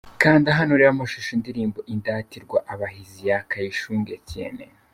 Kanda hano urebe amashusho indirimbo Indatirwa Abahizi ya Kayishunge Etienne.